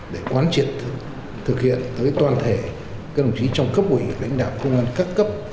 để quán triệt thực hiện tới toàn thể các đồng chí trong cấp ủy lãnh đạo công an các cấp